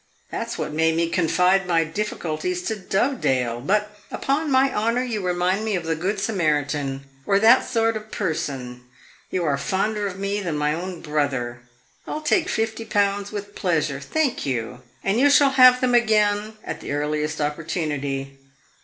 That 's what made me confide my difficulties to Dovedale. But, upon my honor, you remind me of the good Samaritan, or that sort of person; you are fonder of me than my own brother! I 'll take fifty pounds with pleasure, thank you, and you shall have them again at the earliest opportunity.